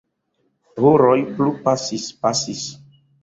Horoj plu pasis, pasis.